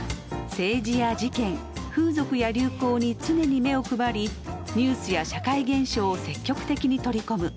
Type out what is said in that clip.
政治や事件風俗や流行に常に目を配りニュースや社会現象を積極的に取り込む。